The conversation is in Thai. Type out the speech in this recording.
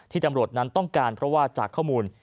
ตำรวจนั้นต้องการเพราะว่าจากข้อมูล